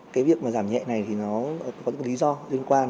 cái việc mà giảm nhẹ này thì nó có những lý do liên quan